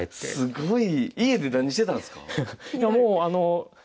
すごい。